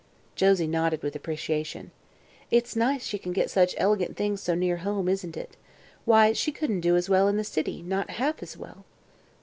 Josie nodded with appreciation. "It's nice she can get such elegant things so near home, isn't it? Why, she couldn't do as well in the city not half as well!"